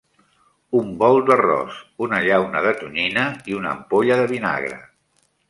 Un bol d'arròs, una llauna de tonyina i una ampolla de vinagre.